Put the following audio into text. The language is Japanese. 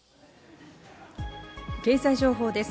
経済情報です。